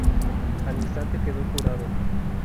Al instante quedó curado.